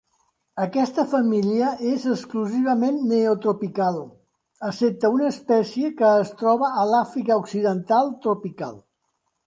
Aquesta família és exclusivament neotropical, excepte una espècie que es troba a l'Àfrica occidental tropical.